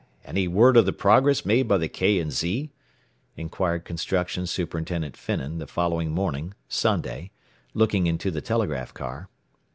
Any word of the progress made by the K. & Z.?" inquired Construction Superintendent Finnan the following morning, Sunday, looking into the telegraph car.